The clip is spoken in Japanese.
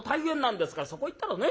そこ言ったらね